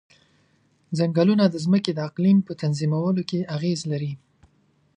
ځنګلونه د ځمکې د اقلیم په تنظیمولو کې اغیز لري.